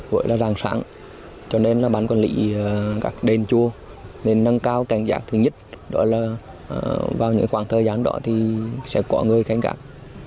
gọi là ràng sáng cho nên là bán quản lý các đền chùa nên nâng cao cảnh giác thứ nhất đó là vào những khoảng thời gian đó thì sẽ có người canh gạc